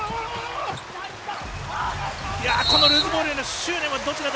ルーズボールへの執念はどちらか。